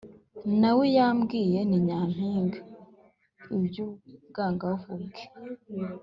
na we yabwiye “ni nyampinga” iby’ubwangavu bwe